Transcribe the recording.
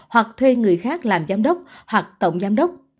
hoặc thuê người khác làm giám đốc hoặc tổng giám đốc